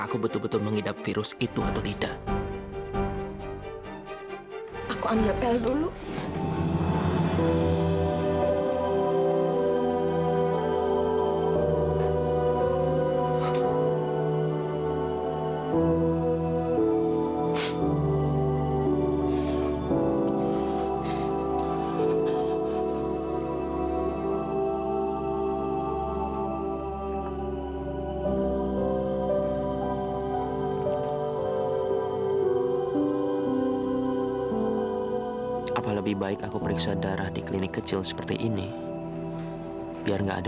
sampai jumpa di video selanjutnya